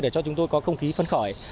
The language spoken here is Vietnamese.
để cho chúng tôi có không khí phân khỏi